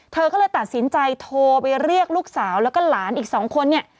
เธอก็เลยตัดสินใจโทรไปเรียกลูกสาวแล้วก็หลานอีกสองคนเนี่ย